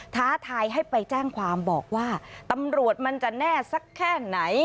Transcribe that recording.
ท้าทายให้ไปแจ้งความบอกว่าตำรวจมันจะแน่สักแค่ไหน